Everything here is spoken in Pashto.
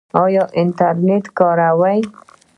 ایا انټرنیټ کاروئ؟